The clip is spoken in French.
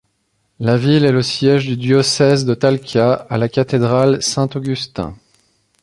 La ville est le siège du diocèse de Talca à la cathédrale Saint-Augustin.